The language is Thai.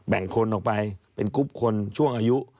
คนออกไปเป็นกรุ๊ปคนช่วงอายุ